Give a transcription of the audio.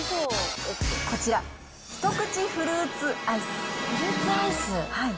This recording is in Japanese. こちら、一口フルーツアイス。